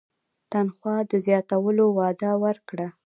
تنخوا د زیاتولو وعده ورکړه.